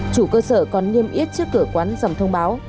chủ cơ sở còn nghiêm yết trước cửa quán dòng thông báo